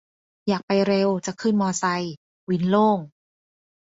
อยากไปเร็ว จะขึ้นมอไซค์ วินโล่ง